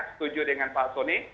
setuju dengan pak soni